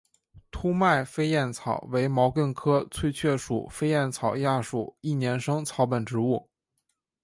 凸脉飞燕草为毛茛科翠雀属飞燕草亚属一年生草本植物。